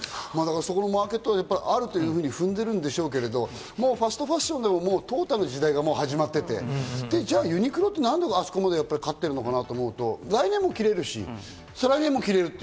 そこにマーケットがあると踏んでるんでしょうけど、もうファストファッションで淘汰の時代が始まっていて、ユニクロってなんであそこまで勝ってるのかなと思うと、来年も着られるし、再来年も着られる。